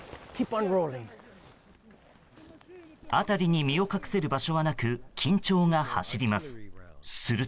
辺りに身を隠せる場所はなく緊張が走ります。